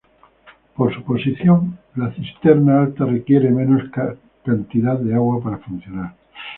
Por su posición, la cisterna alta requiere menos cantidad de agua para funcionar.